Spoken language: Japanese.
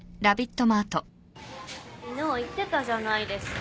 昨日言ってたじゃないですか。